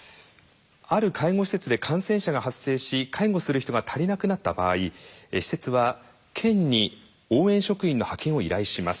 ある介護施設で感染者が発生し介護する人が足りなくなった場合施設は県に応援職員の派遣を依頼します。